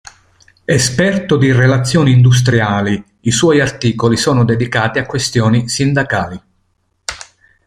Esperto di relazioni industriali i suoi articoli sono dedicati a questioni sindacali.